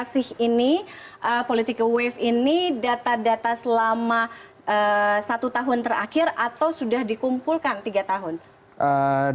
politika wave ini data data selama satu tahun terakhir atau sudah dikumpulkan tiga tahun